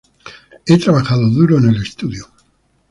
He trabajado duro en el estudio.